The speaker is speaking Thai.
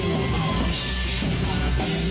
ส่วนยังแบร์ดแซมแบร์ด